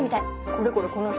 これこれこの人。